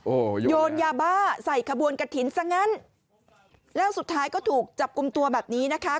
โอ้โหโยนยาบ้าใส่ขบวนกระถิ่นซะงั้นแล้วสุดท้ายก็ถูกจับกลุ่มตัวแบบนี้นะคะ